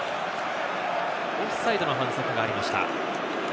オフサイドの反則がありました。